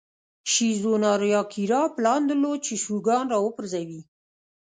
شیزو ناریاکیرا پلان درلود چې شوګان را وپرځوي.